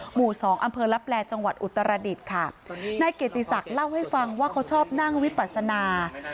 หมู่สองอำเภอลับแลจังหวัดอุตรดิษฐ์ค่ะนายเกียรติศักดิ์เล่าให้ฟังว่าเขาชอบนั่งวิปัสนา